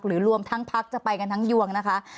รวมทั้งพักจะไปกันทั้งยวงนะคะ